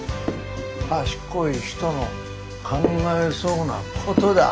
賢い人の考えそうなことだ。